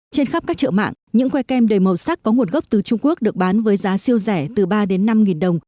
trên khắp các chợ mạng những que kem đầy màu sắc có nguồn gốc từ trung quốc được bán với giá siêu rẻ từ ba đến năm đồng